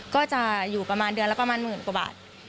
ก็จะอยู่ประมาณเดือนละประมาณหมื่นกว่าบาท